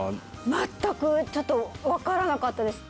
全くちょっと分からなかったです